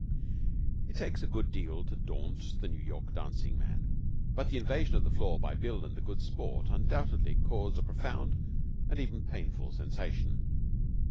It takes a good deal to daunt the New York dancing man, but the invasion of the floor by Bill and the Good Sport undoubtedly caused a profound and even painful sensation.